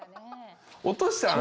落とした？